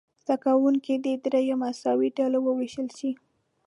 زده کوونکي دې دریو مساوي ډلو وویشل شي.